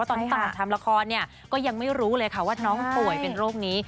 ตอนที่ตลาดทำละครเนี่ยก็ยังไม่รู้เลยค่ะว่าน้องป่วยเป็นโรคนี้